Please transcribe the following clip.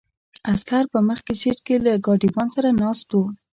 عسکر په مخکې سیټ کې له ګاډیوان سره ناست وو.